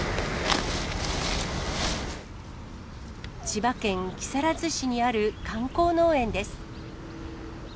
千葉県木更津市にある観光農園です。